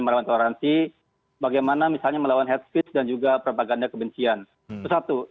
melawan toleransi bagaimana misalnya melawan headspace dan juga propaganda kebencian sesuatu